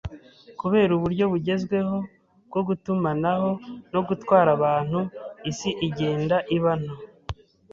Kubera uburyo bugezweho bwo gutumanaho no gutwara abantu, isi igenda iba nto.